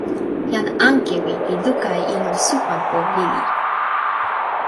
jan Ankewi li luka e ilo Supanpo lili.